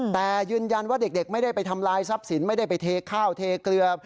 แต่ยืนยันว่าเด็กไม่ได้ไปทำลายทรัพย์สินไม่ได้ไปเทข้าวเทเกลือ